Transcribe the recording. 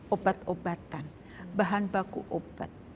obat obatan bahan baku obat